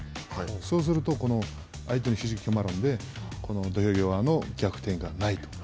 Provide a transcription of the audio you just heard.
そうすると、相手のひざが決まるので、土俵際の逆転がないと。